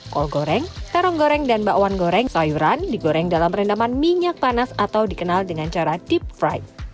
kol goreng terong goreng dan bakwan goreng sayuran digoreng dalam rendaman minyak panas atau dikenal dengan cara deep fry